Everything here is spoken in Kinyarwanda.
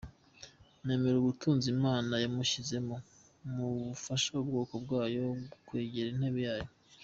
Nemera ubutunzi Imana yamushyizemo mu gufasha ubwoko bwayo kwegera intebe yayo.